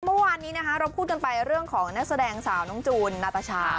เมื่อวานนี้นะคะเราพูดกันไปเรื่องของนักแสดงสาวน้องจูนนาตาชา